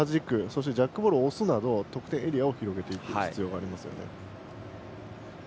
またはジャックボールを押すなど得点エリアを広げていく必要があります。